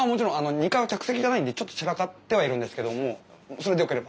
２階は客席じゃないんでちょっと散らかってはいるんですけどもそれでよければ。